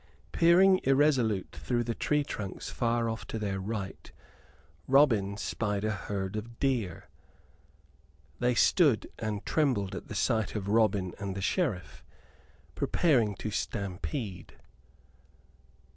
Peering irresolute through the tree trunks far off to their right, Robin spied a herd of deer. They stood and trembled at sight of Robin and the Sheriff, preparing to stampede.